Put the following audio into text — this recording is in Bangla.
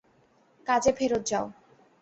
কাজে ফেরত যাও।